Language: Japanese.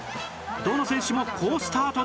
どの選手も好スタートだ！